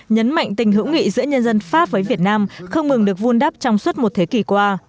nhấn mạnh tình hữu nghị giữa nhân dân pháp với việt nam không ngừng được vun đắp trong suốt một thế kỷ qua